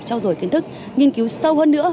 trao dổi kiến thức nghiên cứu sâu hơn nữa